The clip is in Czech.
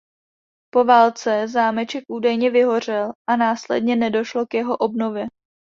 Po válce zámeček údajně vyhořel a následně nedošlo k jeho obnově.